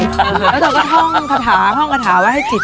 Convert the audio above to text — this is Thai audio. แล้วเธอก็ท่องคาถาท่องคาถาไว้ให้จิต